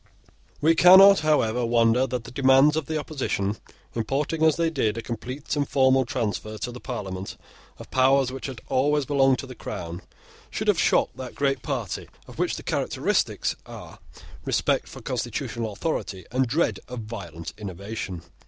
We cannot, however, wonder that the demands of the opposition, importing as they did a complete and formal transfer to the Parliament of powers which had always belonged to the Crown, should have shocked that great party of which the characteristics are respect for constitutional authority and dread of violent innovation.